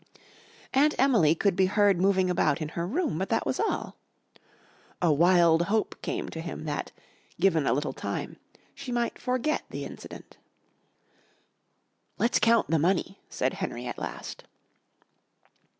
Aunt Emily could be heard moving about in her room, but that was all. A wild hope came to him that, given a little time, she might forget the incident. "Let's count the money " said Henry at last.